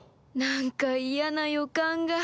なんか嫌な予感が